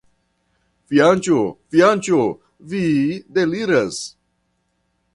Fianĉo, fianĉo, vi deliras!